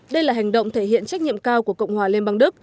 đây là hành động thể hiện trách nhiệm cao của cộng hòa liên bang đức